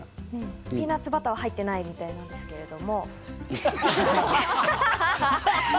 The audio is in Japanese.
ピーナツバターは入ってないみたいなんですけども。